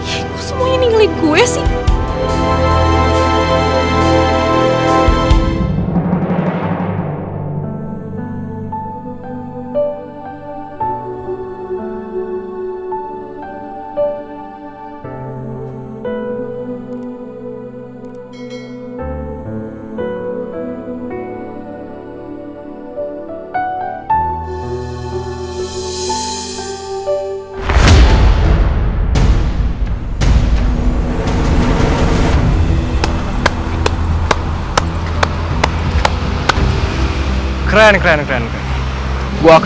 ya kok semuanya ninggalin gue sih